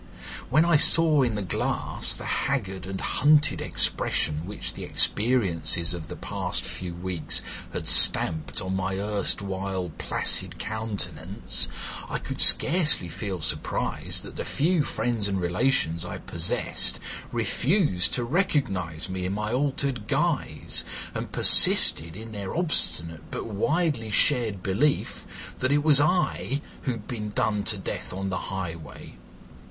When I saw in the glass the haggard and hunted expression which the experiences of the past few weeks had stamped on my erstwhile placid countenance, I could scarcely feel surprised that the few friends and relations I possessed refused to recognise me in my altered guise, and persisted in their obstinate but widely shared belief that it was I who had been done to death on the highway.